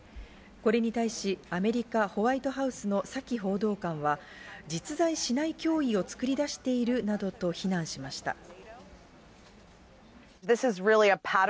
これに対しアメリカ・ホワイトハウスのサキ報道官は実在しない脅威をつくり出しているなどと非難しました。